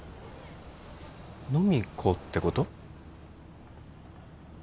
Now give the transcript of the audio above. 飲み行こうってこと？